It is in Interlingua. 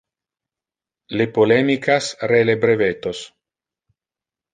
Le polemicas re le brevetos